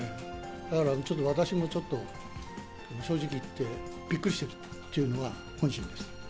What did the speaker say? だから、ちょっと私もちょっと、正直いって、びっくりしているというのが本心です。